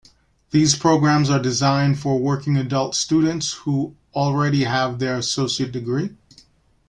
These programs are designed for working adult students who already have their associate degree.